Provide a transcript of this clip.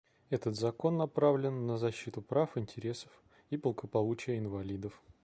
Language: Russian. Этот закон направлен на защиту прав, интересов и благополучия инвалидов.